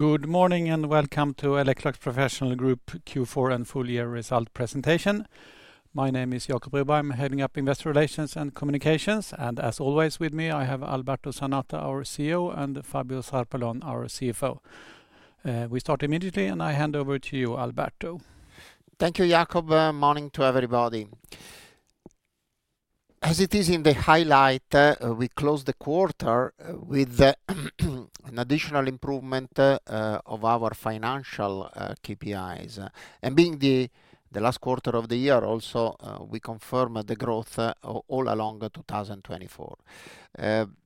Good morning and welcome to Electrolux Professional Group Q4 and full year results presentation. My name is Jacob Broberg. I'm heading up Investor Relations and Communications, and as always with me I have Alberto Zanata, our CEO, and Fabio Zarpellon, our CFO. We start immediately and I hand over to you, Alberto. Thank you, Jacob. Good morning to everybody. As highlighted, we close the quarter with an additional improvement of our financial KPIs. Being the last quarter of the year, we also confirm the growth all along 2024. The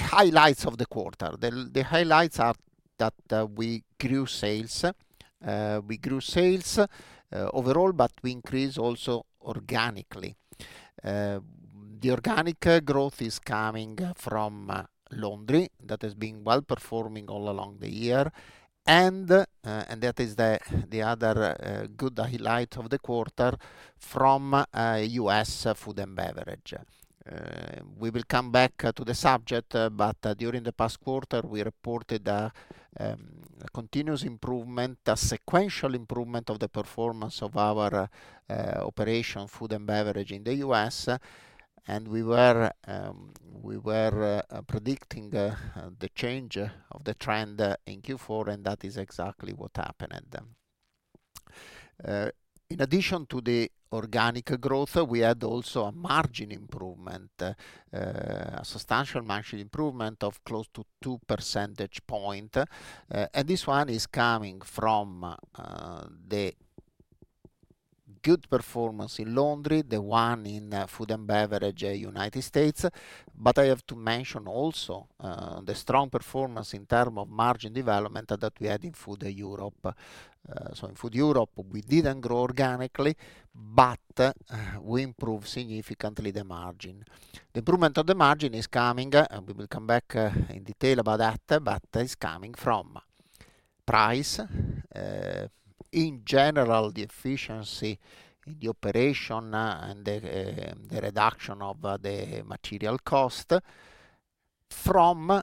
highlights of the quarter are that we grew sales. We grew sales overall, but we also increased organically. The organic growth is coming from laundry that has been well performing all along the year. That is the other good highlight of the quarter from US food and beverage. We will come back to the subject, but during the past quarter we reported a continuous improvement, a sequential improvement of the performance of our operation, food and beverage in the US. We were predicting the change of the trend in Q4, and that is exactly what happened. In addition to the organic growth, we had also a margin improvement, a substantial margin improvement of close to two percentage points. And this one is coming from the good performance in laundry, the one in food and beverage in the United States. But I have to mention also the strong performance in terms of margin development that we had in food Europe. So in food Europe, we didn't grow organically, but we improved significantly the margin. The improvement of the margin is coming, and we will come back in detail about that, but it's coming from price, in general the efficiency in the operation and the reduction of the material cost from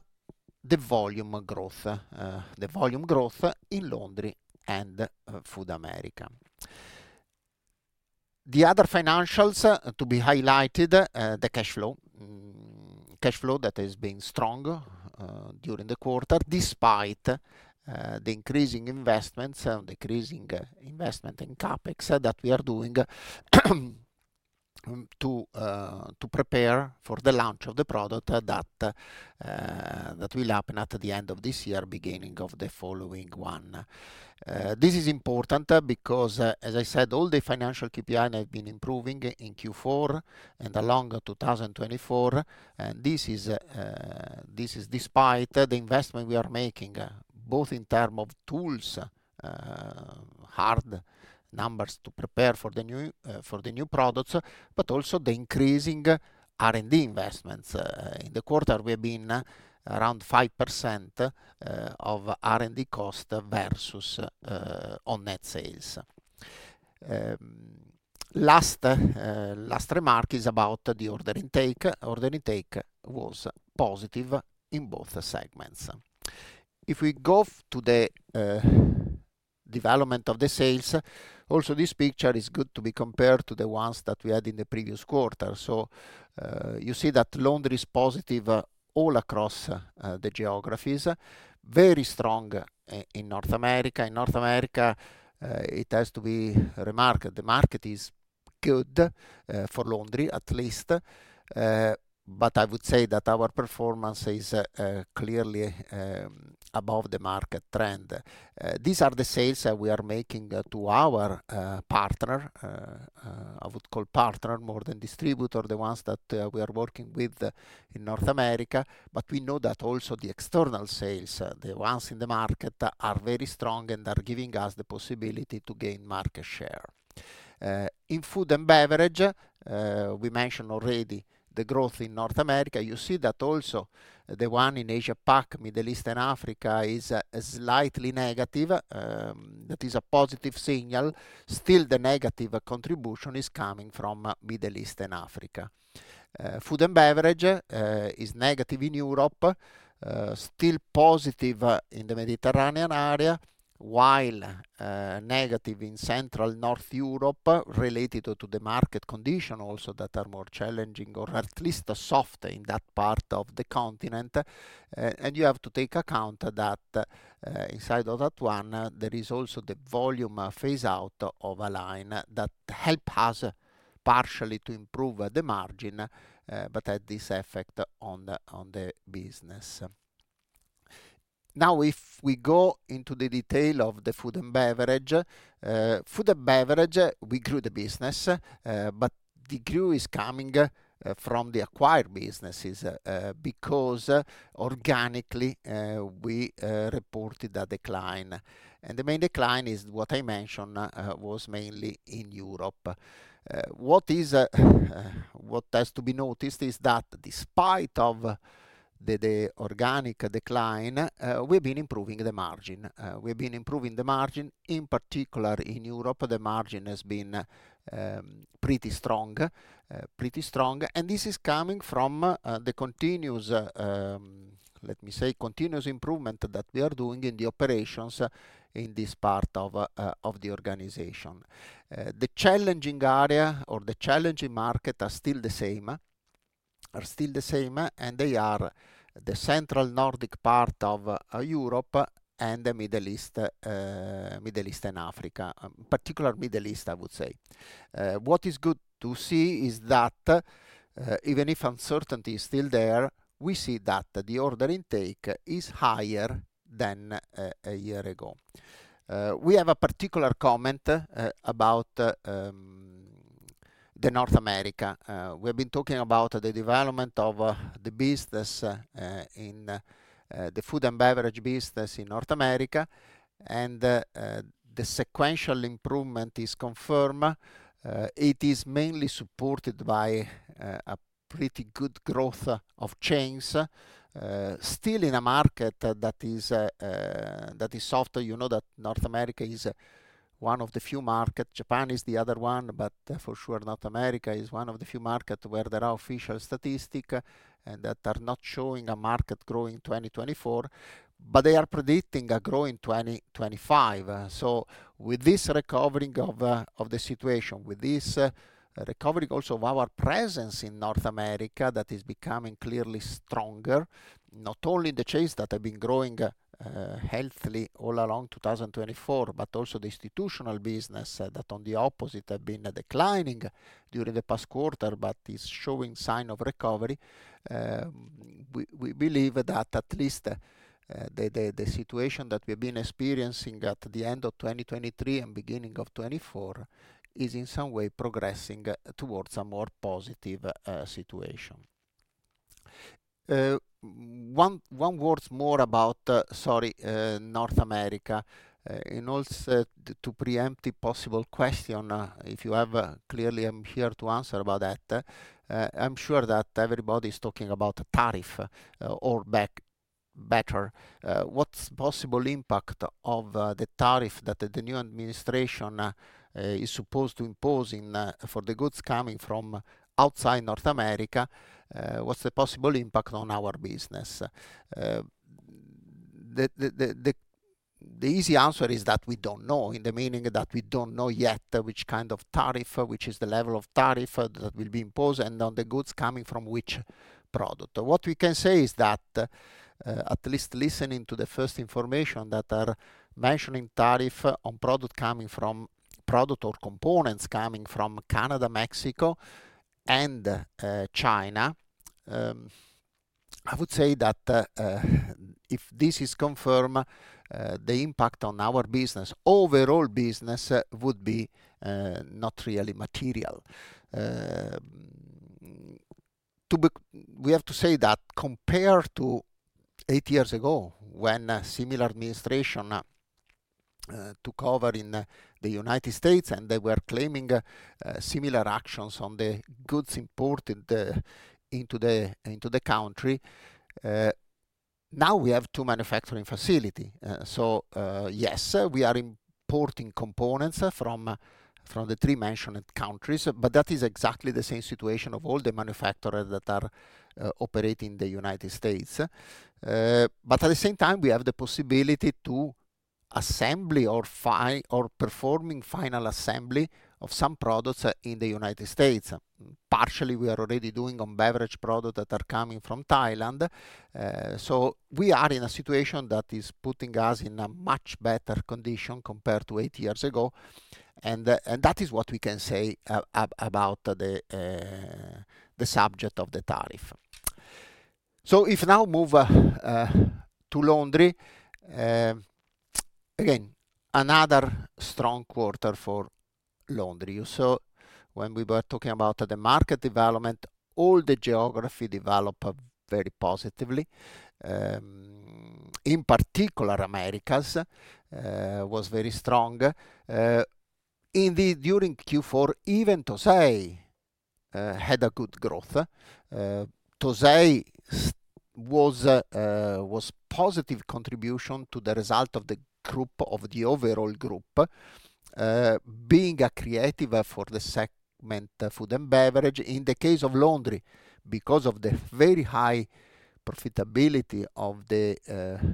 the volume growth, the volume growth in laundry and food America. The other financials to be highlighted, the cash flow, cash flow that has been strong during the quarter despite the increasing investments and increasing investment in CapEx that we are doing to prepare for the launch of the product that will happen at the end of this year, beginning of the following one. This is important because, as I said, all the financial KPIs have been improving in Q4 and along 2024, and this is despite the investment we are making, both in terms of tools, hardware to prepare for the new products, but also the increasing R&D investments. In the quarter, we have been around 5% of R&D cost versus on net sales. Last remark is about the order intake. Order intake was positive in both segments. If we go to the development of the sales, also this picture is good to be compared to the ones that we had in the previous quarter. So you see that laundry is positive all across the geographies, very strong in North America. In North America, it has to be remarked that the market is good for laundry at least, but I would say that our performance is clearly above the market trend. These are the sales that we are making to our partner, I would call partner more than distributor, the ones that we are working with in North America. But we know that also the external sales, the ones in the market are very strong and are giving us the possibility to gain market share. In food and beverage, we mentioned already the growth in North America. You see that also the one in Asia-Pacific, Middle East, and Africa is slightly negative. That is a positive signal. Still, the negative contribution is coming from Middle East and Africa. Food and beverage is negative in Europe, still positive in the Mediterranean area, while negative in Central and Northern Europe related to the market conditions that are more challenging or at least soft in that part of the continent. You have to take into account that inside of that one, there is also the volume phase-out of a line that helps us partially to improve the margin, but has this effect on the business. Now, if we go into the detail of the food and beverage, we grew the business, but the growth is coming from the acquired businesses because organically we reported a decline. The main decline is what I mentioned was mainly in Europe. What has to be noticed is that despite the organic decline, we've been improving the margin. We've been improving the margin in particular in Europe. The margin has been pretty strong, pretty strong. This is coming from the continuous, let me say, continuous improvement that we are doing in the operations in this part of the organization. The challenging area or the challenging market are still the same, are still the same, and they are the central Nordic part of Europe and the Middle East, Middle East and Africa, particularly Middle East, I would say. What is good to see is that even if uncertainty is still there, we see that the order intake is higher than a year ago. We have a particular comment about the North America. We have been talking about the development of the business in the food and beverage business in North America, and the sequential improvement is confirmed. It is mainly supported by a pretty good growth of chains. Still in a market that is soft, you know that North America is one of the few markets. Japan is the other one, but for sure North America is one of the few markets where there are official statistics that are not showing a market growing 2024, but they are predicting a growing 2025. So with this recovering of the situation, with this recovering also of our presence in North America that is becoming clearly stronger, not only the chains that have been growing healthily all along 2024, but also the institutional business that on the opposite have been declining during the past quarter, but is showing sign of recovery. We believe that at least the situation that we have been experiencing at the end of 2023 and beginning of 2024 is in some way progressing towards a more positive situation. One word more about, sorry, North America, and also to preempt a possible question, if you have clearly, I'm here to answer about that. I'm sure that everybody is talking about tariff or better. What's the possible impact of the tariff that the new administration is supposed to impose for the goods coming from outside North America? What's the possible impact on our business? The easy answer is that we don't know, in the meaning that we don't know yet which kind of tariff, which is the level of tariff that will be imposed and on the goods coming from which product. What we can say is that at least listening to the first information that are mentioning tariff on product coming from or components coming from Canada, Mexico, and China, I would say that if this is confirmed, the impact on our business, overall business would be not really material. We have to say that compared to eight years ago when a similar administration took over in the United States and they were claiming similar actions on the goods imported into the country, now we have two manufacturing facilities. So yes, we are importing components from the three mentioned countries, but that is exactly the same situation of all the manufacturers that are operating in the United States. But at the same time, we have the possibility to assemble or perform final assembly of some products in the United States. Partially, we are already doing on beverage products that are coming from Thailand. So we are in a situation that is putting us in a much better condition compared to eight years ago, and that is what we can say about the subject of the tariff. So if now move to laundry, again, another strong quarter for laundry. So when we were talking about the market development, all the geographies developed very positively. In particular, the Americas was very strong. Indeed, during Q4, even Tosei had a good growth. Tosei was a positive contribution to the result of the overall group, being accretive for the segment food and beverage. In the case of laundry, because of the very high profitability of the,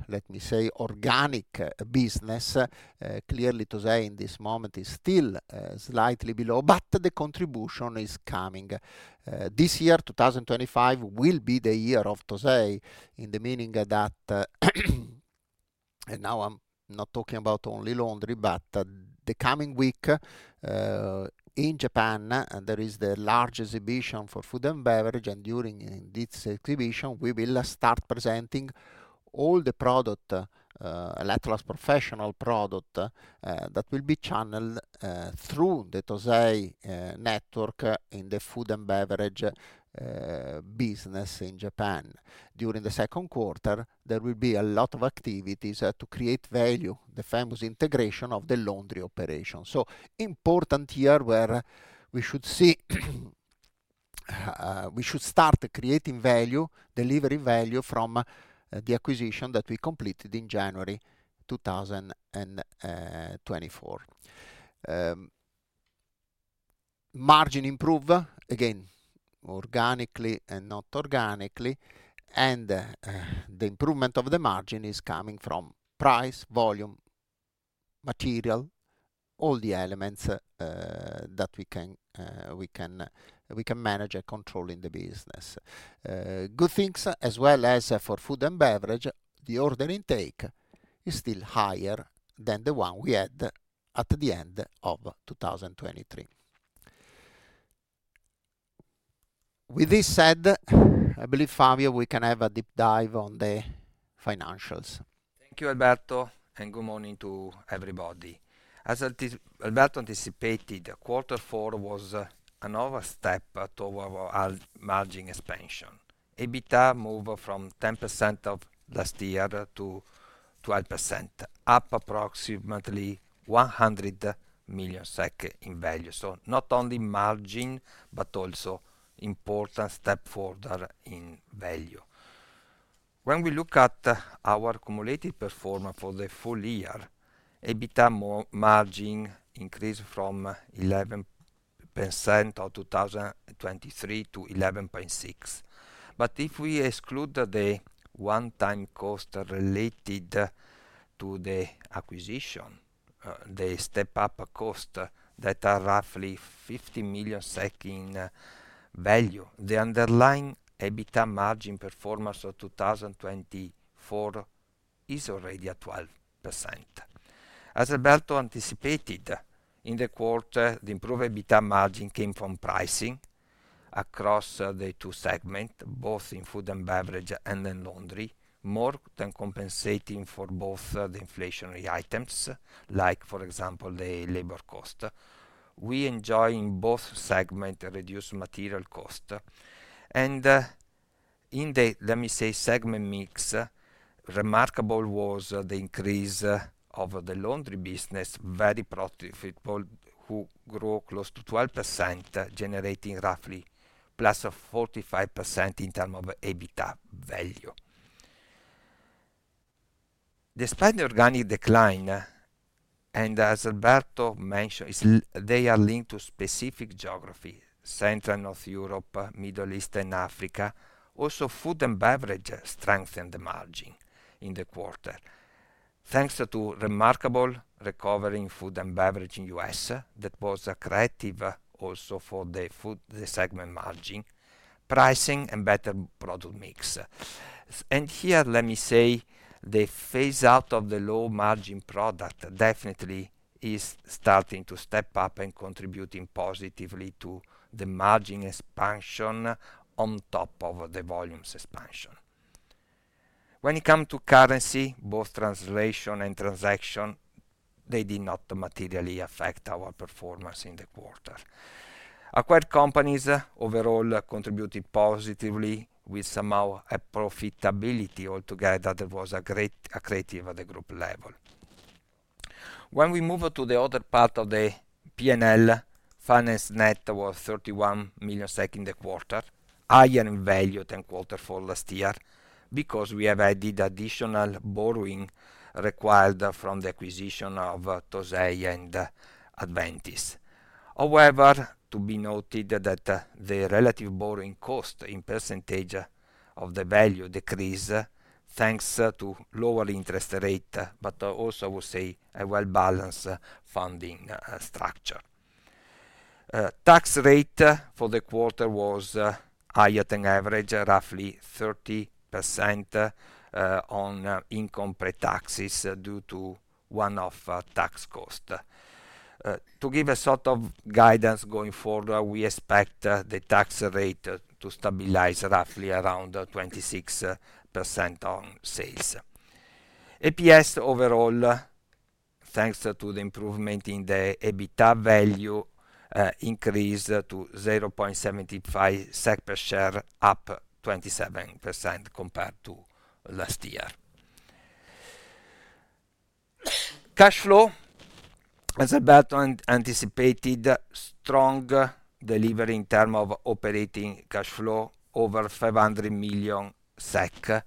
let me say, organic business, clearly Tosei in this moment is still slightly below, but the contribution is coming. This year, 2025, will be the year of Tosei, in the meaning that now I'm not talking about only laundry, but the coming week in Japan, there is the large exhibition for food and beverage, and during this exhibition, we will start presenting all the products, Electrolux Professional products that will be channeled through the Tosei network in the food and beverage business in Japan. During the second quarter, there will be a lot of activities to create value, the famous integration of the laundry operation, so important year where we should see, we should start creating value, delivering value from the acquisition that we completed in January 2024, margins improve, again, organically and inorganically, and the improvement of the margin is coming from price, volume, material, all the elements that we can manage and control in the business. Good things, as well as for food and beverage, the order intake is still higher than the one we had at the end of 2023. With this said, I believe, Fabio, we can have a deep dive on the financials. Thank you, Alberto, and good morning to everybody. As Alberto anticipated, quarter four was another step toward margin expansion. EBITDA moved from 10% last year to 12%, up approximately 100 million SEK in value. So not only margin, but also important step forward in value. When we look at our cumulative performance for the full year, EBITDA margin increased from 11% of 2023 to 11.6%. But if we exclude the one-time cost related to the acquisition, the step-up cost that are roughly 50 million SEK in value, the underlying EBITDA margin performance of 2024 is already at 12%. As Alberto anticipated, in the quarter, the improved EBITDA margin came from pricing across the two segments, both in food and beverage and in laundry, more than compensating for both the inflationary items, like for example, the labor cost. We enjoy in both segments reduced material cost. And in the, let me say, segment mix, remarkable was the increase of the laundry business, very profitable, who grew close to 12%, generating roughly plus of 45% in terms of EBITDA value. Despite the organic decline, and as Alberto mentioned, they are linked to specific geographies, Central Europe and Northern Europe, Middle East and Africa. Also, food and beverage strengthened the margin in the quarter, thanks to remarkable recovery in food and beverage in the US that was a driver also for the food segment margin, pricing, and better product mix. Here, let me say, the phase-out of the low-margin product definitely is starting to step up and contribute positively to the margin expansion on top of the volumes expansion. When it comes to currency, both translation and transaction, they did not materially affect our performance in the quarter. Acquired companies overall contributed positively with some profitability altogether. There was a negative at the group level. When we move to the other part of the P&L, financial net was -31 million in the quarter, higher in value than quarter four last year because we have added additional borrowing required from the acquisition of Tosei and Adventys. However, to be noted that the relative borrowing cost in percentage of the value decreased thanks to lower interest rate, but also I would say a well-balanced funding structure. Tax rate for the quarter was higher than average, roughly 30% on income taxes due to one-off tax cost. To give a sort of guidance going forward, we expect the tax rate to stabilize roughly around 26% on sales. EPS overall, thanks to the improvement in the EBITDA value, increased to 0.75 SEK per share, up 27% compared to last year. Cash flow, as Alberto anticipated, strong delivery in terms of operating cash flow, over 500 million SEK,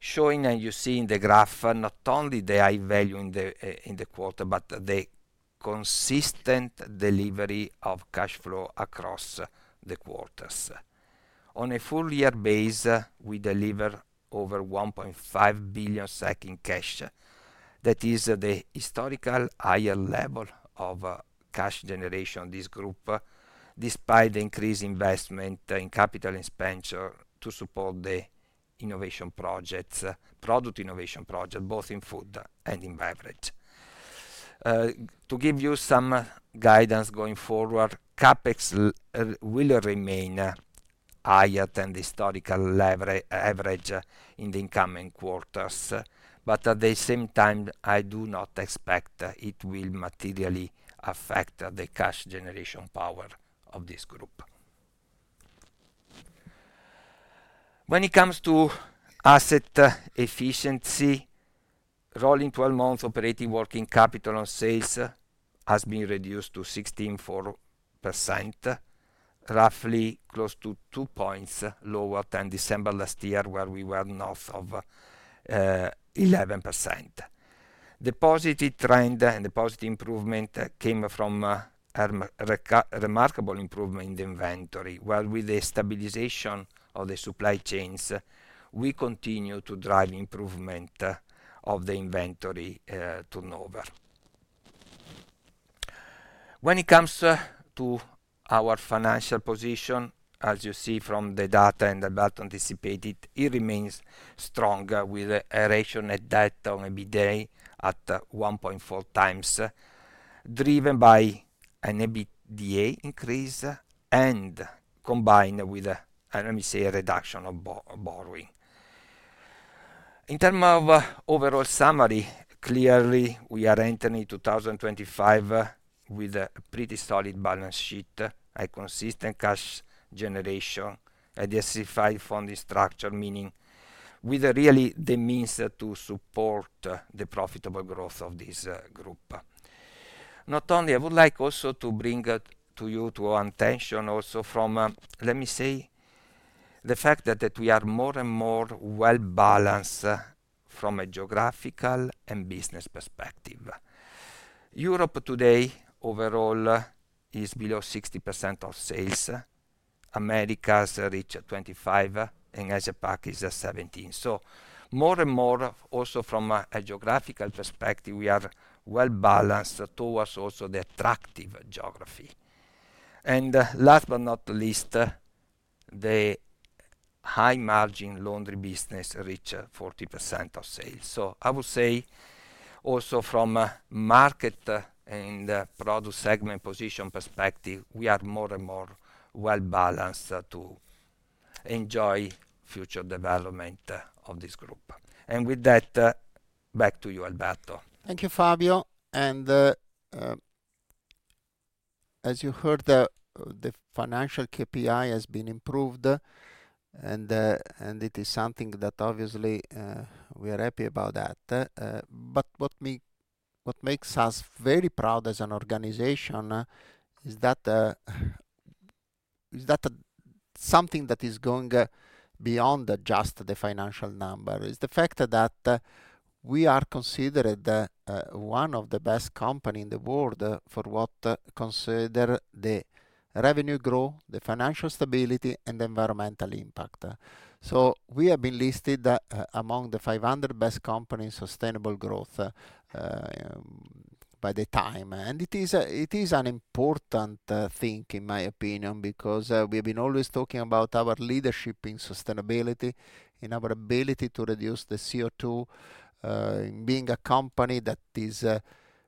showing, and you see in the graph, not only the high value in the quarter, but the consistent delivery of cash flow across the quarters. On a full-year basis, we deliver over 1.5 billion in cash. That is the historically higher level of cash generation of this group, despite the increased investment in capital expenditure to support the innovation projects, product innovation projects, both in food and in beverage. To give you some guidance going forward, CapEx will remain higher than the historical average in the incoming quarters. But at the same time, I do not expect it will materially affect the cash generation power of this group. When it comes to asset efficiency, rolling 12-month operating working capital on sales has been reduced to 16%, roughly close to 2 points lower than December last year, where we were north of 11%. The positive trend and the positive improvement came from a remarkable improvement in the inventory. While with the stabilization of the supply chains, we continue to drive improvement of the inventory turnover. When it comes to our financial position, as you see from the data and Alberto anticipated, it remains strong with a ratio net debt on EBITDA at 1.4 times, driven by an EBITDA increase and combined with, let me say, a reduction of borrowing. In terms of overall summary, clearly, we are entering 2025 with a pretty solid balance sheet, a consistent cash generation, a diversified funding structure, meaning with really the means to support the profitable growth of this group. Not only, I would like also to bring to your attention also from, let me say, the fact that we are more and more well-balanced from a geographical and business perspective. Europe today overall is below 60% of sales. Americas reached 25%, and Asia-Pac is 17%. So more and more also from a geographical perspective, we are well-balanced towards also the attractive geography. And last but not least, the high-margin laundry business reached 40% of sales. So I would say also from market and product segment position perspective, we are more and more well-balanced to enjoy future development of this group. And with that, back to you, Alberto. Thank you, Fabio. As you heard, the financial KPI has been improved, and it is something that obviously we are happy about that. What makes us very proud as an organization is that something that is going beyond just the financial number is the fact that we are considered one of the best companies in the world for what we consider the revenue growth, the financial stability, and the environmental impact. We have been listed among the 500 best companies in sustainable growth by TIME. It is an important thing, in my opinion, because we have been always talking about our leadership in sustainability, in our ability to reduce the CO2, being a company that is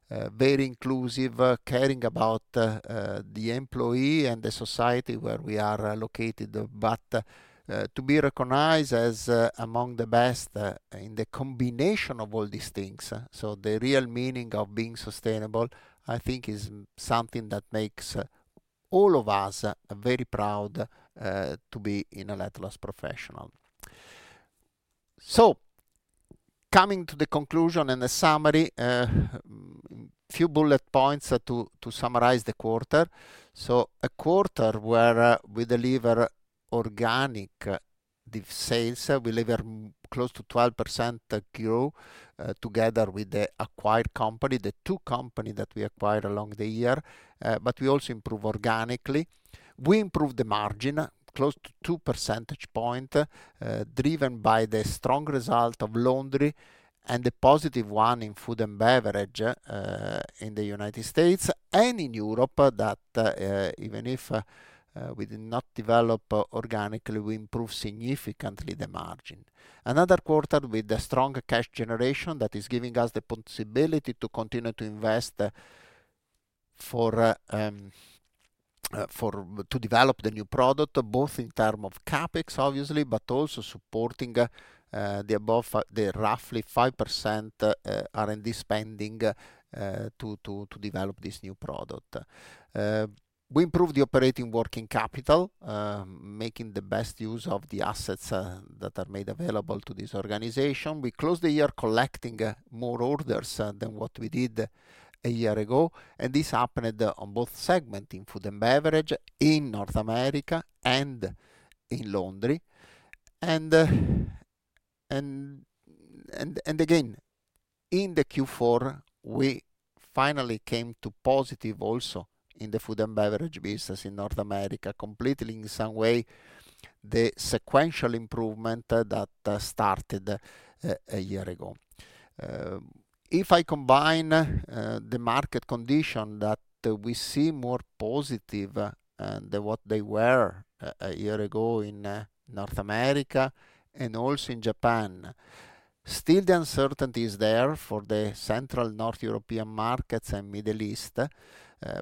very inclusive, caring about the employee and the society where we are located. But to be recognized as among the best in the combination of all these things, so the real meaning of being sustainable, I think is something that makes all of us very proud to be in Electrolux Professional. So coming to the conclusion and the summary, a few bullet points to summarize the quarter. So a quarter where we deliver organic sales, we deliver close to 12% growth together with the acquired company, the two companies that we acquired along the year. But we also improve organically. We improved the margin close to 2 percentage points, driven by the strong result of laundry and the positive one in food and beverage in the United States and in Europe that even if we did not develop organically, we improved significantly the margin. Another quarter with the strong cash generation that is giving us the possibility to continue to invest to develop the new product, both in terms of CapEx, obviously, but also supporting the above, the roughly 5% R&D spending to develop this new product. We improved the operating working capital, making the best use of the assets that are made available to this organization. We closed the year collecting more orders than what we did a year ago. And this happened on both segments in food and beverage, in North America and in laundry. And again, in the Q4, we finally came to positive also in the food and beverage business in North America, completely in some way the sequential improvement that started a year ago. If I combine the market condition that we see more positive than what they were a year ago in North America and also in Japan, still the uncertainty is there for the Central and Northern European markets and Middle East.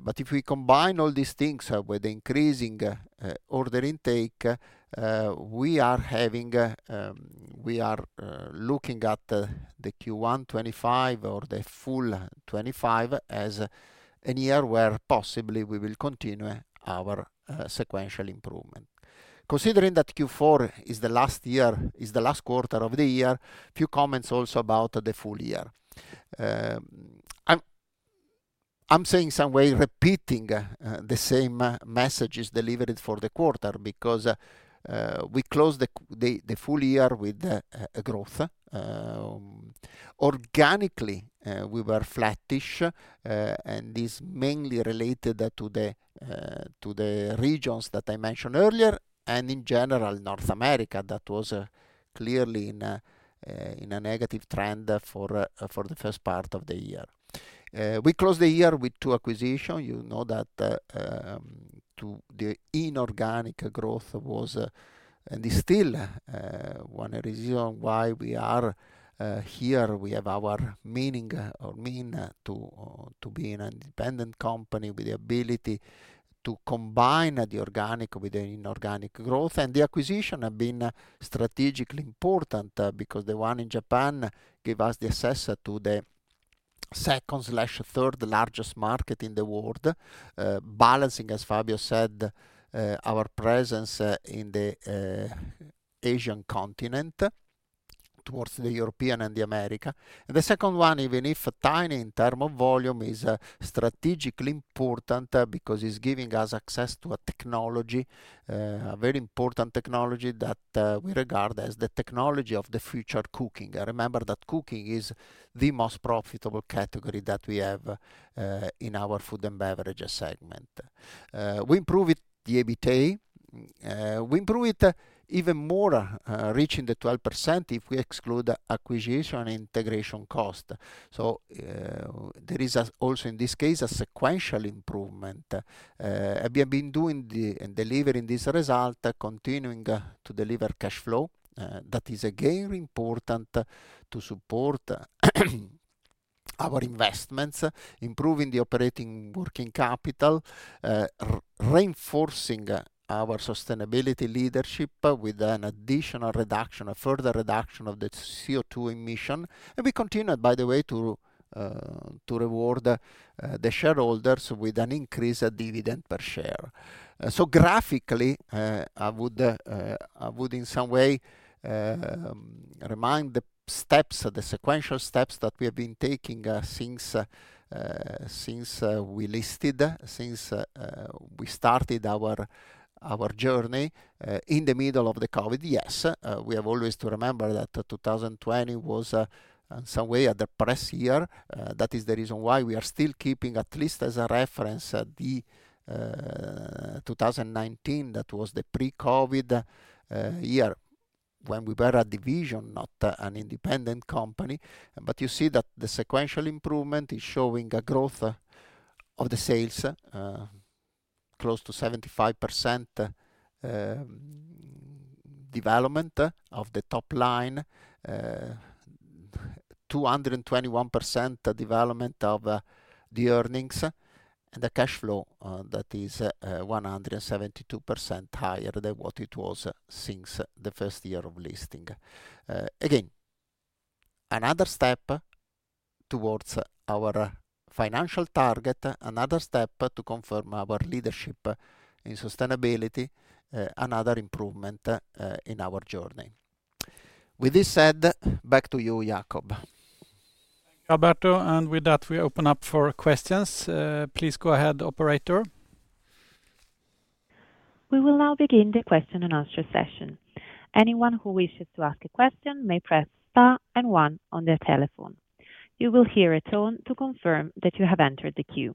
But if we combine all these things with the increasing order intake, we are looking at the Q1 2025 or the full 2025 as a year where possibly we will continue our sequential improvement. Considering that Q4 is the last year, is the last quarter of the year, a few comments also about the full year. I'm saying some way repeating the same message is delivered for the quarter because we closed the full year with growth. Organically, we were flattish, and this mainly related to the regions that I mentioned earlier, and in general, North America that was clearly in a negative trend for the first part of the year. We closed the year with two acquisitions. You know that the inorganic growth was, and it's still one reason why we are here. We have our meaning or we mean to be an independent company with the ability to combine the organic with the inorganic growth. The acquisition has been strategically important because the one in Japan gave us the access to the second slash third largest market in the world, balancing, as Fabio said, our presence in the Asian continent towards the European and the Americas. The second one, even if tiny in terms of volume, is strategically important because it's giving us access to a technology, a very important technology that we regard as the technology of the future cooking. I remember that cooking is the most profitable category that we have in our food and beverage segment. We improved the EBITDA. We improved it even more, reaching the 12% if we exclude acquisition and integration costs, so there is also in this case a sequential improvement. We have been doing and delivering this result, continuing to deliver cash flow. That is again important to support our investments, improving the operating working capital, reinforcing our sustainability leadership with an additional reduction, a further reduction of the CO2 emissions, and we continued, by the way, to reward the shareholders with an increased dividend per share. So graphically, I would in some way remind the steps, the sequential steps that we have been taking since we listed, since we started our journey in the middle of the COVID. Yes, we have always to remember that 2020 was in some way a depressed year. That is the reason why we are still keeping at least as a reference the 2019 that was the pre-COVID year when we were a division, not an independent company. But you see that the sequential improvement is showing a growth of the sales, close to 75% development of the top line, 221% development of the earnings, and the cash flow that is 172% higher than what it was since the first year of listing. Again, another step towards our financial target, another step to confirm our leadership in sustainability, another improvement in our journey. With this said, back to you, Jacob. Thank you, Alberto. And with that, we open up for questions. Please go ahead, Operator. We will now begin the question and answer session. Anyone who wishes to ask a question may press Star and 1 on their telephone. You will hear a tone to confirm that you have entered the queue.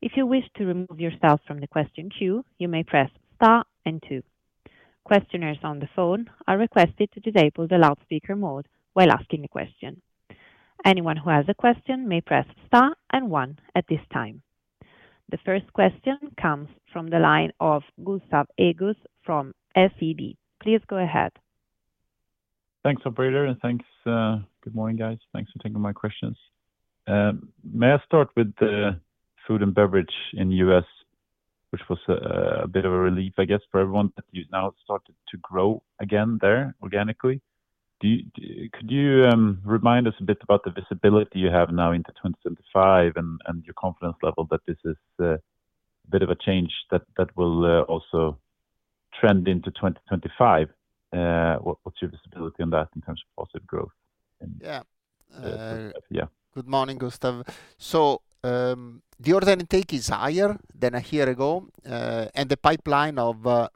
If you wish to remove yourself from the question queue, you may press star and two. Questioners on the phone are requested to disable the loudspeaker mode while asking a question. Anyone who has a question may press star and one at this time. The first question comes from the line of Gustav Hageus from SEB. Please go ahead. Thanks, Operator, and thanks. Good morning, guys. Thanks for taking my questions. May I start with the food and beverage in the U.S., which was a bit of a relief, I guess, for everyone that you now started to grow again there organically? Could you remind us a bit about the visibility you have now into 2025 and your confidence level that this is a bit of a change that will also trend into 2025? What's your visibility on that in terms of positive growth? Yeah. Good morning, Gustav. So the order intake is higher than a year ago, and the pipeline of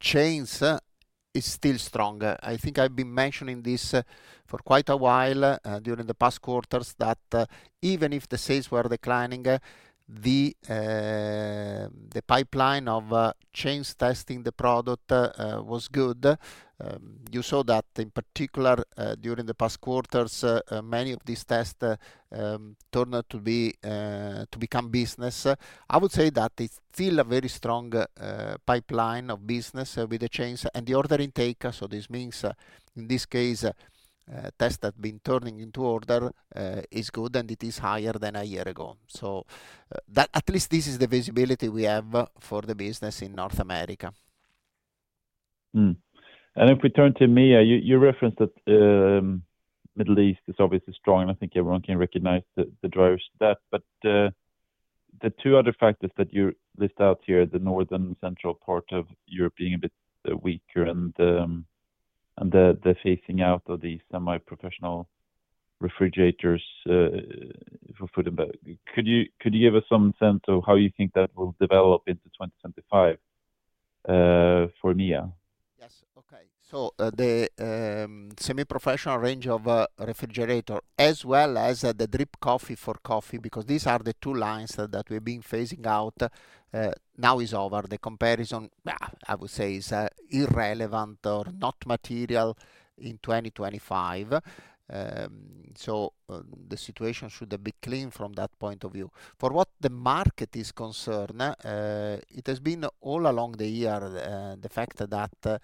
chains is still strong. I think I've been mentioning this for quite a while during the past quarters that even if the sales were declining, the pipeline of chains testing the product was good. You saw that in particular during the past quarters, many of these tests turned out to become business. I would say that it's still a very strong pipeline of business with the chains and the order intake. So this means in this case, tests that have been turning into order is good, and it is higher than a year ago. So at least this is the visibility we have for the business in North America. And if we turn to MEA, you referenced that the Middle East is obviously strong, and I think everyone can recognize the drivers to that. But the two other factors that you list out here, the northern and central part of Europe being a bit weaker and the phasing out of these semi-professional refrigerators for food and beverage, could you give us some sense of how you think that will develop into 2025 for MEA? Yes. Okay. So the semi-professional range of refrigerator, as well as the drip coffee for coffee, because these are the two lines that we've been phasing out, now is over. The comparison, I would say, is irrelevant or not material in 2025. So the situation should be clean from that point of view. For what the market is concerned, it has been all along the year, the fact that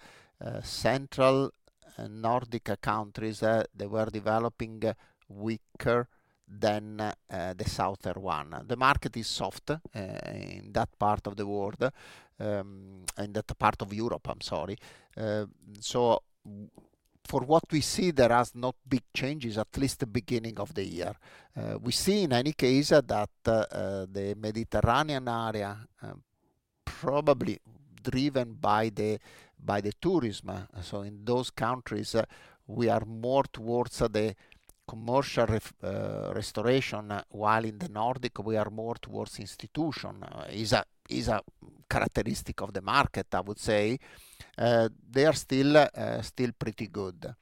central and Nordic countries, they were developing weaker than the southern one. The market is soft in that part of the world, in that part of Europe, I'm sorry. So for what we see, there are not big changes, at least the beginning of the year. We see in any case that the Mediterranean area, probably driven by the tourism. So in those countries, we are more towards the commercial restoration, while in the Nordic, we are more towards institutions. It is a characteristic of the market, I would say. They are still pretty good.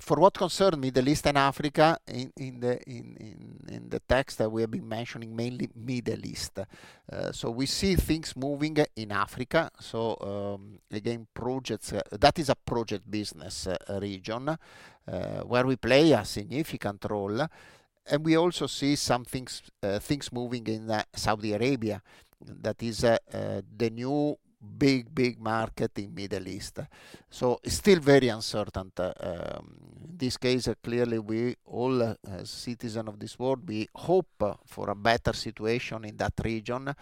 For what concerns Middle East and Africa, in the text that we have been mentioning, mainly Middle East. So we see things moving in Africa. So again, projects, that is a project business region where we play a significant role. And we also see some things moving in Saudi Arabia. That is the new big, big market in Middle East. So it's still very uncertain. In this case, clearly, we all, as citizens of this world, we hope for a better situation in that region. There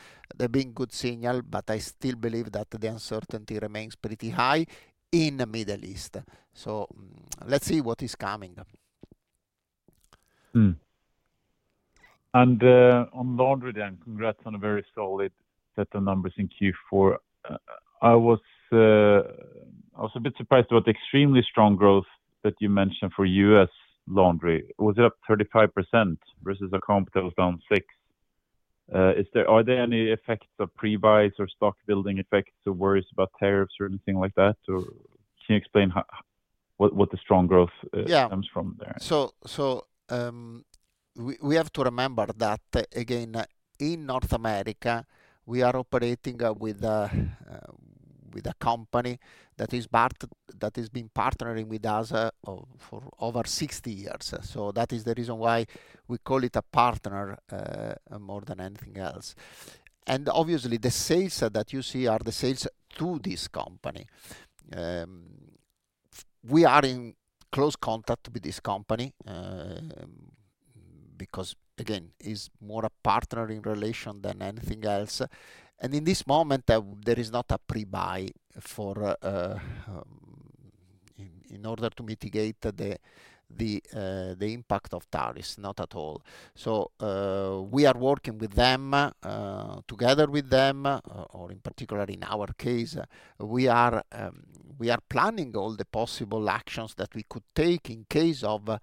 have been good signals, but I still believe that the uncertainty remains pretty high in the Middle East. So let's see what is coming. On laundry then, congrats on a very solid set of numbers in Q4. I was a bit surprised about the extremely strong growth that you mentioned for U.S. laundry. Was it up 35% versus a comp that was down 6%? Are there any effects of prebuys or stock building effects or worries about tariffs or anything like that? Or can you explain what the strong growth comes from there? So we have to remember that, again, in North America, we are operating with a company that has been partnering with us for over 60 years. So that is the reason why we call it a partner more than anything else. And obviously, the sales that you see are the sales to this company. We are in close contact with this company because, again, it's more a partnering relation than anything else. In this moment, there is not a prebuy in order to mitigate the impact of tariffs, not at all. So we are working with them, or in particular, in our case, we are planning all the possible actions that we could take in case of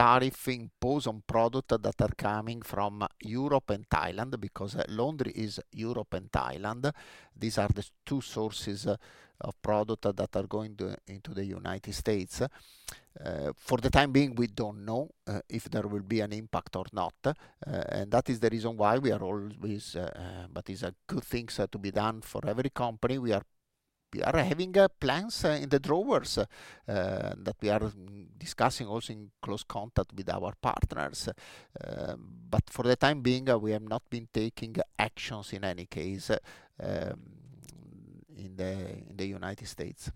tariffs imposed on products that are coming from Europe and Thailand because laundry is Europe and Thailand. These are the two sources of products that are going into the United States. For the time being, we don't know if there will be an impact or not. That is the reason why we are always, but it's a good thing to be done for every company. We are having plans in the drawers that we are discussing also in close contact with our partners. For the time being, we have not been taking actions in any case in the United States.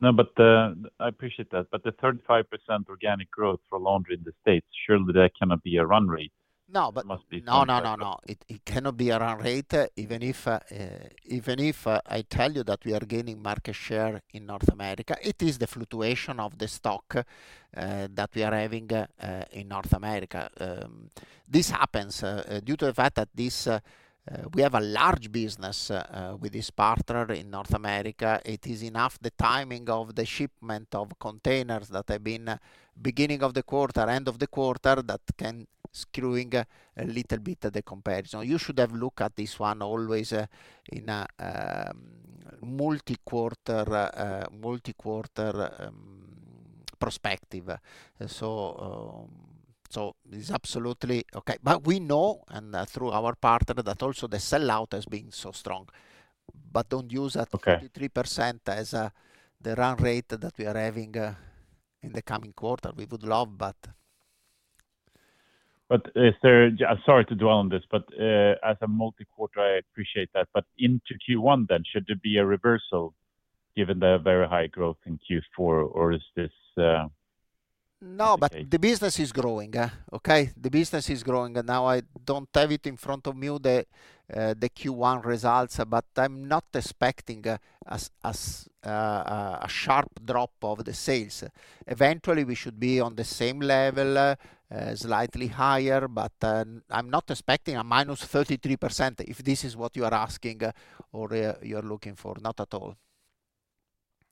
No, but I appreciate that. But the 35% organic growth for laundry in the States, surely that cannot be a run rate? No, but no, no, no, no. It cannot be a run rate. Even if I tell you that we are gaining market share in North America, it is the fluctuation of the stock that we are having in North America. This happens due to the fact that we have a large business with this partner in North America. It is enough the timing of the shipment of containers that have been beginning of the quarter, end of the quarter that can screwing a little bit the comparison. You should have looked at this one always in a multi-quarter perspective. So it's absolutely okay. But we know and through our partner that also the sellout has been so strong. But don't use that 23% as the run rate that we are having in the coming quarter. We would love, but. But Sorry to dwell on this, but as a multi-quarter, I appreciate that. But into Q1 then, should there be a reversal given the very high growth in Q4, or is this? No, but the business is growing. Okay. The business is growing. And now I don't have it in front of me, the Q1 results, but I'm not expecting a sharp drop of the sales. Eventually, we should be on the same level, slightly higher, but I'm not expecting a -33% if this is what you are asking or you are looking for. Not at all.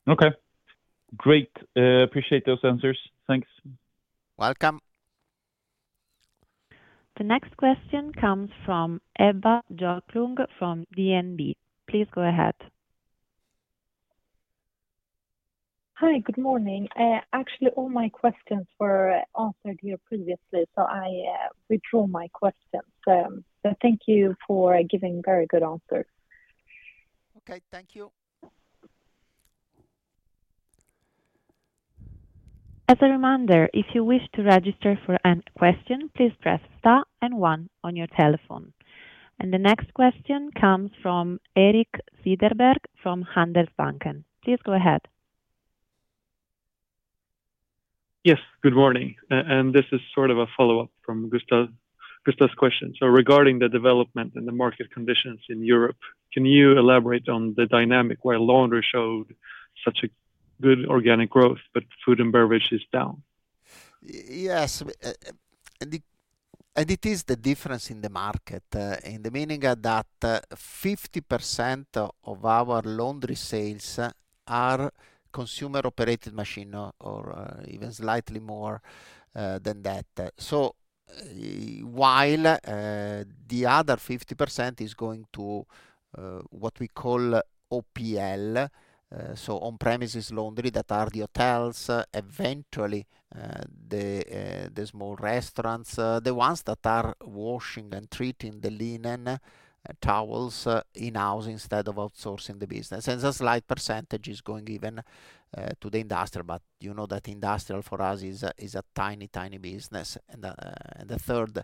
Okay. Great. Appreciate those answers. Thanks. Welcome. The next question comes from Erika Björklund from DNB. Please go ahead. Hi, good morning. Actually, all my questions were answered here previously, so I withdraw my questions but thank you for giving very good answers. Okay, thank you. As a reminder, if you wish to register for a question, please press star and one on your telephone. The next question comes from Erik Cederberg from Handelsbanken. Please go ahead. Yes, good morning, and this is sort of a follow-up from Gustav's question, so regarding the development and the market conditions in Europe, can you elaborate on the dynamic where laundry showed such a good organic growth, but food and beverage is down? Yes, and it is the difference in the market, in the meaning that 50% of our laundry sales are consumer-operated machine or even slightly more than that. So while the other 50% is going to what we call OPL, so on-premises laundry that are the hotels, eventually the small restaurants, the ones that are washing and treating the linen and towels in-house instead of outsourcing the business. And that's a slight percentage is going even to the industry, but you know that industrial for us is a tiny, tiny business. And the third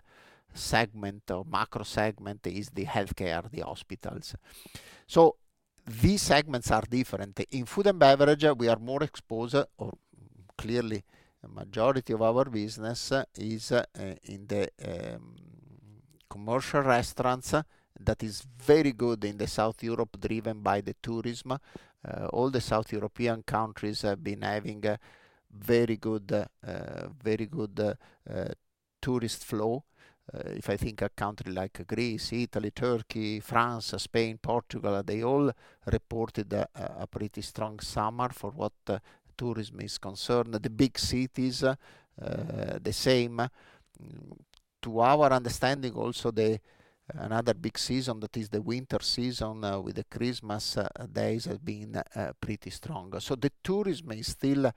segment or macro segment is the healthcare, the hospitals. So these segments are different. In food and beverage, we are more exposed, or clearly, the majority of our business is in the commercial restaurants that is very good in the South Europe, driven by the tourism. All the South European countries have been having very good tourist flow. If I think a country like Greece, Italy, Turkey, France, Spain, Portugal, they all reported a pretty strong summer for what tourism is concerned. The big cities, the same. To our understanding, also another big season that is the winter season with the Christmas days has been pretty strong. So the tourism is still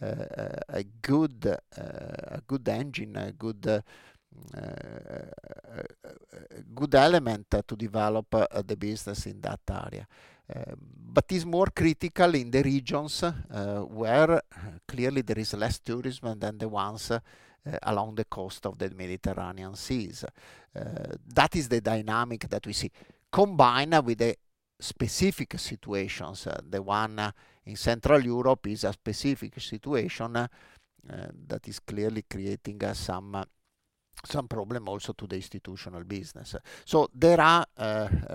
a good engine, a good element to develop the business in that area. But it's more critical in the regions where clearly there is less tourism than the ones along the coast of the Mediterranean Sea. That is the dynamic that we see. Combined with the specific situations, the one in Central Europe is a specific situation that is clearly creating some problem also to the institutional business. So there are,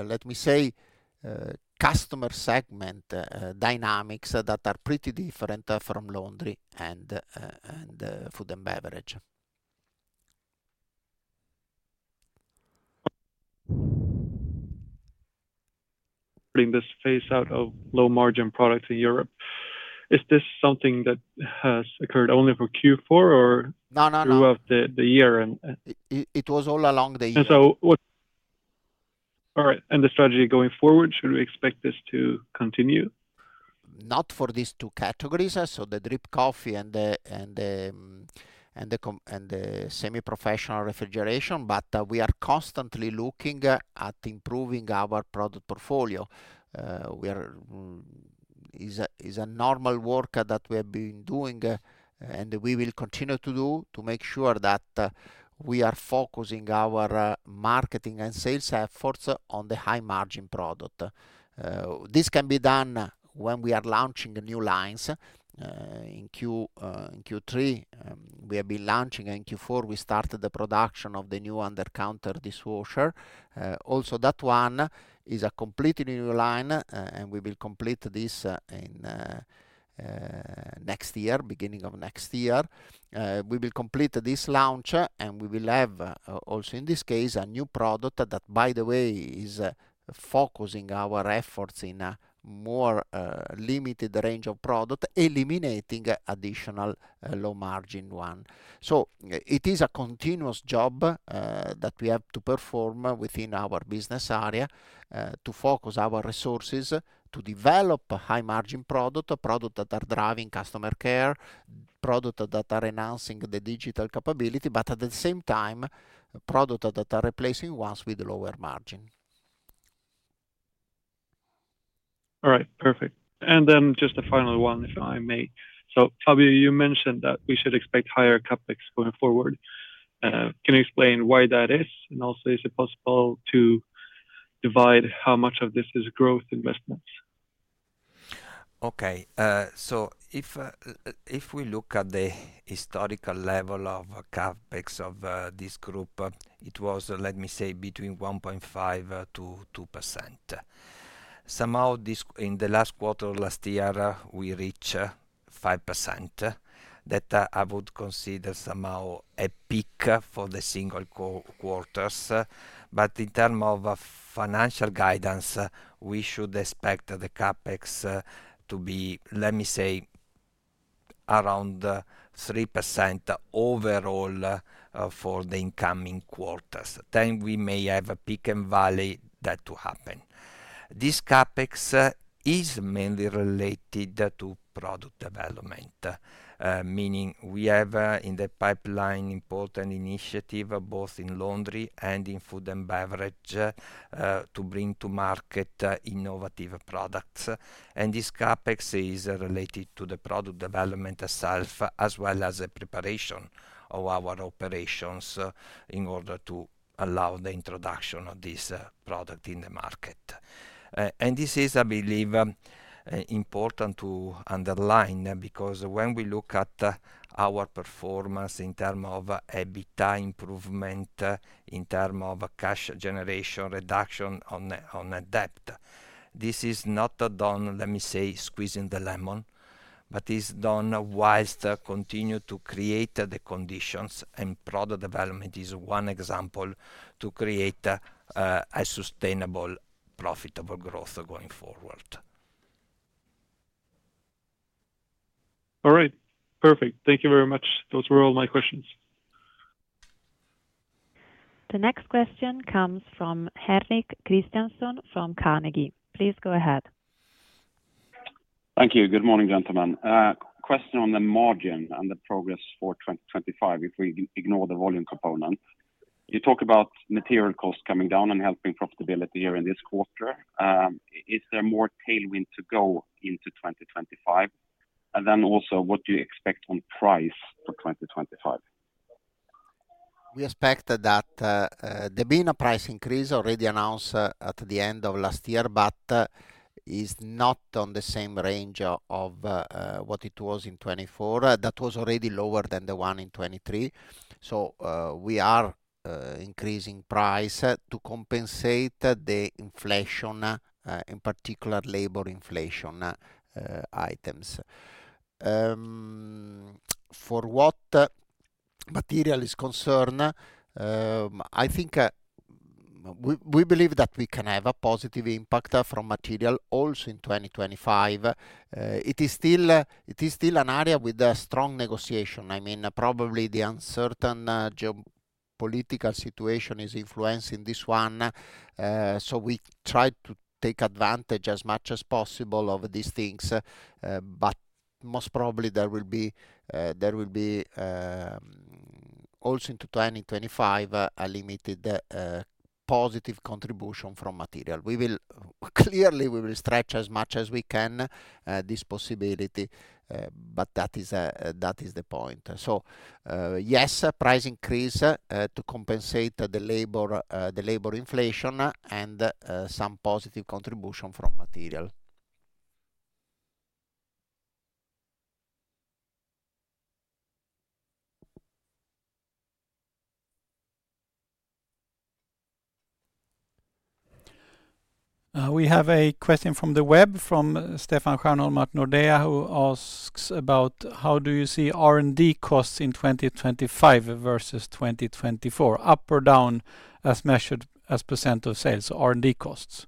let me say, customer segment dynamics that are pretty different from laundry and food and beverage. In this phase out of low-margin products in Europe, is this something that has occurred only for Q4 or throughout the year? It was all along the year. And so. All right. And the strategy going forward, should we expect this to continue? Not for these two categories, so the drip coffee and the semi-professional refrigeration, but we are constantly looking at improving our product portfolio. It's a normal work that we have been doing and we will continue to do to make sure that we are focusing our marketing and sales efforts on the high-margin product. This can be done when we are launching new lines. In Q3, we have been launching, and in Q4, we started the production of the new under-counter dishwasher. Also, that one is a completely new line, and we will complete this in next year, beginning of next year. We will complete this launch, and we will have also in this case a new product that, by the way, is focusing our efforts in a more limited range of product, eliminating additional low-margin one. So it is a continuous job that we have to perform within our business area to focus our resources to develop high-margin product, product that are driving customer care, product that are enhancing the digital capability, but at the same time, product that are replacing ones with lower margin. All right. Perfect. And then just a final one, if I may. So Fabio, you mentioned that we should expect higher CapEx going forward. Can you explain why that is? And also, is it possible to divide how much of this is growth investments? Okay. So if we look at the historical level of CapEx of this group, it was, let me say, between 1.5%-2%. Somehow, in the last quarter of last year, we reached 5%. That I would consider somehow a peak for the single quarters. But in terms of financial guidance, we should expect the CapEx to be, let me say, around 3% overall for the incoming quarters. Then we may have a peak and valley that to happen. This CapEx is mainly related to product development, meaning we have in the pipeline important initiatives both in laundry and in food and beverage to bring to market innovative products. And this CapEx is related to the product development itself, as well as the preparation of our operations in order to allow the introduction of this product in the market. And this is, I believe, important to underline because when we look at our performance in terms of EBITDA improvement, in terms of cash generation reduction on debt, this is not done, let me say, squeezing the lemon, but it's done whilst continuing to create the conditions. And product development is one example to create a sustainable, profitable growth going forward. All right. Perfect. Thank you very much. Those were all my questions. The next question comes from Henrik Christiansson from Carnegie. Please go ahead. Thank you. Good morning, gentlemen. Question on the margin and the progress for 2025, if we ignore the volume component. You talk about material costs coming down and helping profitability here in this quarter. Is there more tailwind to go into 2025? And then also, what do you expect on price for 2025? We expect that the main price increase already announced at the end of last year, but is not on the same range of what it was in 2024. That was already lower than the one in 2023. So we are increasing price to compensate the inflation, in particular labor inflation items. For what material is concerned, I think we believe that we can have a positive impact from material also in 2025. It is still an area with strong negotiation. I mean, probably the uncertain geopolitical situation is influencing this one. So we try to take advantage as much as possible of these things. But most probably, there will be also into 2025, a limited positive contribution from material. Clearly, we will stretch as much as we can this possibility, but that is the point. So yes, price increase to compensate the labor inflation and some positive contribution from material. We have a question from the web from Stefan Stjernholm from Nordea, who asks about how do you see R&D costs in 2025 versus 2024, up or down as measured as % of sales, R&D costs?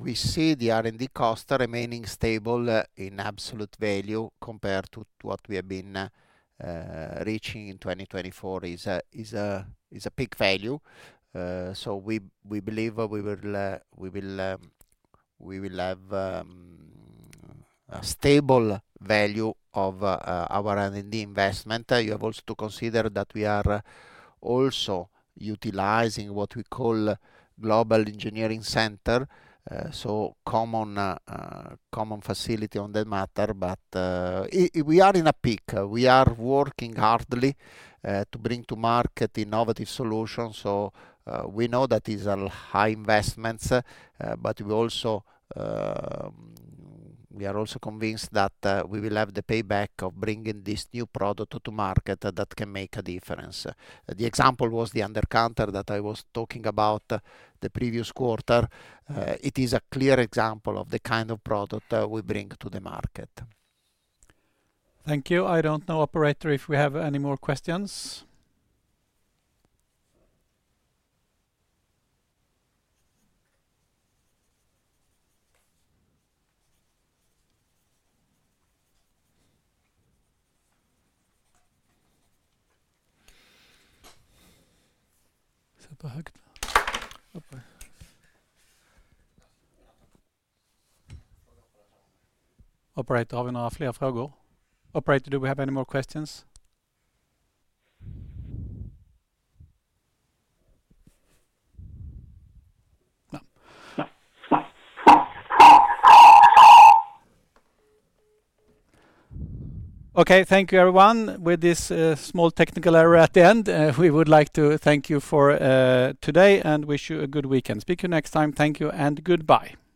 We see the R&D cost remaining stable in absolute value compared to what we have been reaching in 2024, which is a peak value. So we believe we will have a stable value of our R&D investment. You have also to consider that we are also utilizing what we call Global Engineering Center, so common facility on that matter. But we are in a peak. We are working hard to bring to market innovative solutions. So we know that is a high investment, but we are also convinced that we will have the payback of bringing this new product to market that can make a difference. The example was the under-counter that I was talking about the previous quarter. It is a clear example of the kind of product we bring to the market. Thank you. I don't know, Operator, if we have any more questions. Operator, do we have any more questions? No. Okay, thank you, everyone. With this small technical error at the end, we would like to thank you for today and wish you a good weekend. Speak to you next time. Thank you and goodbye.